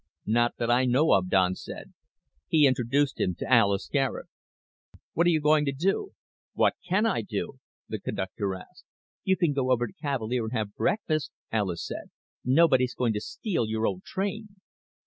"Not that I know of," Don said. He introduced him to Alis Garet. "What are you going to do?" "What can I do?" the conductor asked. "You can go over to Cavalier and have breakfast," Alis said. "Nobody's going to steal your old train."